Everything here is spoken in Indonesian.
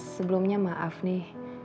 sebelumnya maaf nih